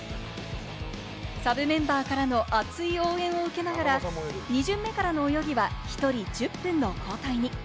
サブメンバーからの熱い応援を受けながら２巡目からの泳ぎは１人１０分の交代に。